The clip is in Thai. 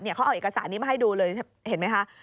เขาเอาเอกสารนี้มาให้ดูเลยเห็นไหมคะ